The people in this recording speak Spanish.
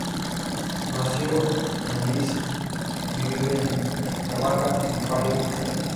Nació en Lecce, y vive y trabaja en Bari, Italia.